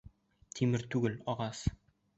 Тимер түгел, ағас!